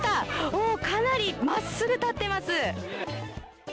おお、かなりまっすぐ立っています。